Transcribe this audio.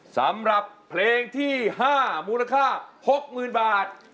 สำหรับเพลงที่๕มูลค่า๖๐๐๐บาท